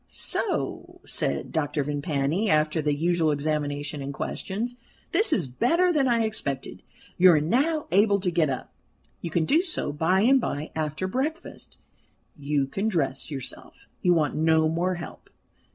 "So," said Dr. Vimpany, after the usual examination and questions, "this is better than I expected. You are now able to get up. You can do so by and by, after breakfast; you can dress yourself, you want no more help.